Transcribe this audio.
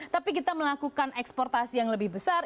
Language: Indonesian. tapi kita melakukan eksportasi yang lebih besar